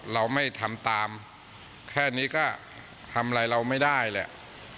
เราไม่ทำตามแค่นี้ก็ทำอะไรเราไม่ได้แหละ